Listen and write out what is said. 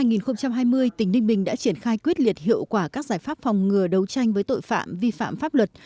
năm hai nghìn hai mươi tỉnh ninh bình đã triển khai quyết liệt hiệu quả các giải pháp phòng ngừa đấu tranh với tội phạm vi phạm pháp luật